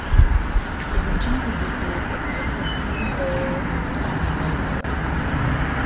The region produces a type of crude oil known as Bonny Light oil.